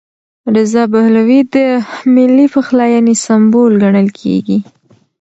رضا پهلوي د ملي پخلاینې سمبول ګڼل کېږي.